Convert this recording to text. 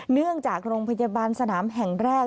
เนื่องจากโรงพยาบาลสนามแห่งแรก